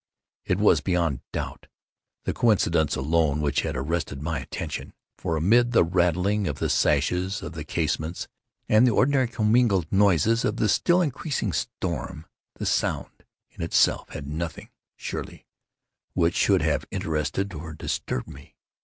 It was, beyond doubt, the coincidence alone which had arrested my attention; for, amid the rattling of the sashes of the casements, and the ordinary commingled noises of the still increasing storm, the sound, in itself, had nothing, surely, which should have interested or disturbed me.